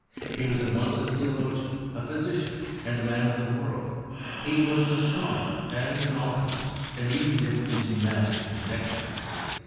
He. was at once a theolog^y '.4 physician, and a man of the world : he was an astro nomer and an alchymist, and even dipped into magi^ and necromancy.